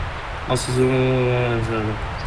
Most anthers are formed on the apex of a filament.